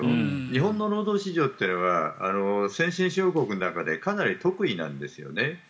日本の労働市場というのは先進主要国の中でかなり特異なんですよね。